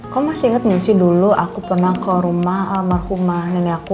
kok masih ingat nggak sih dulu aku pernah ke rumah almarhumah nenek aku